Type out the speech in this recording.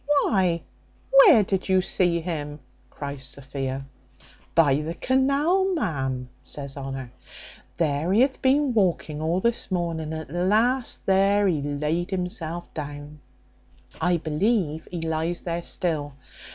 why, where did you see him?" cries Sophia. "By the canal, ma'am," says Honour. "There he hath been walking all this morning, and at last there he laid himself down: I believe he lies there still.